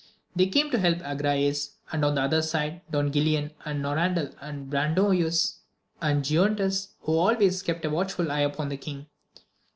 They came to help Agrayes, and on the other side Don Guilan and Norandel, and Brandoyuas, and Giontes, who always kept a watchM eye upon the king.